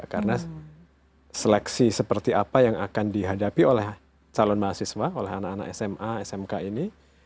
karena seleksi seperti apa yang akan dihadapi oleh calon mahasiswa oleh anak anak sma smk ini